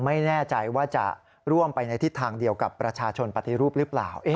ไม่แน่ใจว่าจะร่วมไปในทิศทางเดียวกับประชาชนปฏิรูปหรือเปล่า